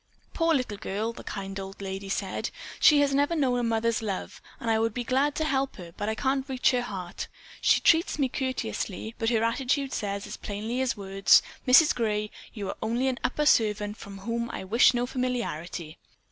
"Poor little girl," the kind old lady said. "She has never known a mother's love and I would be glad to help her, but I can't reach her heart. She treats me courteously, but her attitude says as plainly as words: 'Mrs. Gray, you are only an upper servant from whom I wish no familiarity.